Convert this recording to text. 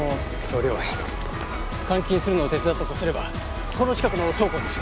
監禁するのを手伝ったとすればこの近くの倉庫です。